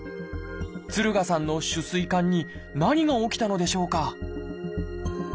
敦賀さんの主膵管に何が起きたのでしょうか？